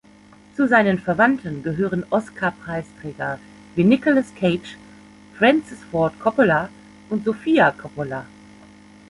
Zu seinen Verwandten gehören Oscar-Preisträger wie Nicolas Cage, Francis Ford Coppola und Sofia Coppola.